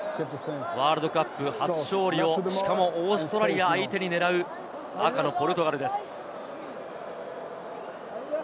ワールドカップ初勝利、しかも、オーストラリア相手に狙う赤のポルトガルです。